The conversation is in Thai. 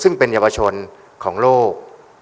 ซึ่งเป็นเยาวชนของโลก